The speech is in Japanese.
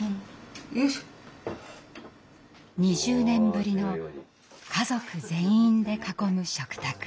２０年ぶりの家族全員で囲む食卓。